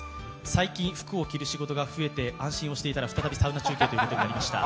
最近、服を着る仕事が増えて安心していたら再びサウナ中継ということでありました。